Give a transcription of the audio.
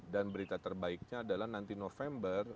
dan berita terbaiknya adalah nanti november